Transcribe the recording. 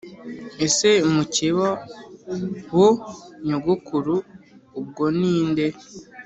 ese mukeba wo nyogokuru ubwo ni inde?